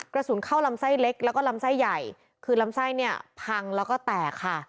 กระสุนเข้าลำไส้เล็กแล้วก็ลำไส้ใหญ่คือลำไส้เนี่ยพังแล้วก็แตกค่ะ